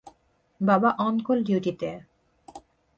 বাবা অন-কল ডিউটিতে।